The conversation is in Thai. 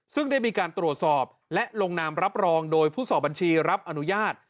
ซึ่งได้มีการตรวจสอบและลงนามรับรองโดยผู้สอบบัญชีรับอนุญาต